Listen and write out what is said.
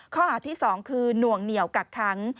ข้อหาที่๒คือหน่วงเหนียวกักค้าง